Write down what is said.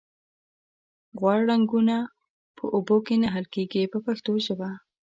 غوړ رنګونه په اوبو کې نه حل کیږي په پښتو ژبه.